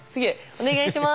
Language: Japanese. お願いします。